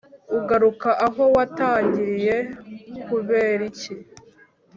ugaruka aho watangiriye kuberiki